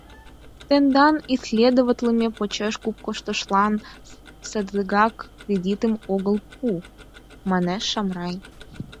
Тендан исследоватлыме почеш куп кошташлан садыгак кредитым огыт пу, — манеш Шамрай.